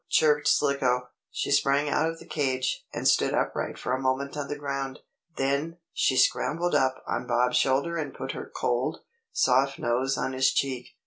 chirped Slicko. She sprang out of the cage, and stood upright for a moment on the ground. Then, she scrambled up on Bob's shoulder and put her cold, soft nose on his cheek.